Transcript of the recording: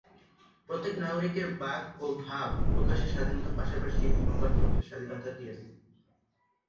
প্রত্যেক নাগরিকের বাক ও ভাব প্রকাশের স্বাধীনতার পাশাপাশি সংবাদপত্রের স্বাধীনতা দিয়েছে।